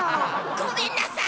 ごめんなさい！